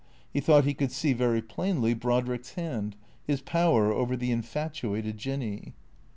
He thought he could see very plainly Brodrick's hand, his power over the infatuated Jinny.